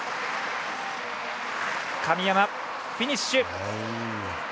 神山、フィニッシュ。